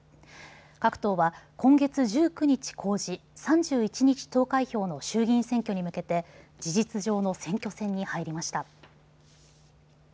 各党は今月１９日公示３１日投開票の衆議院選挙に向けて事実上の選挙戦に入りました。